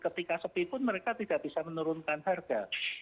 ketika sepi pun mereka tidak bisa menurunkan harga